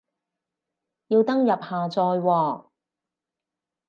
要登入下載喎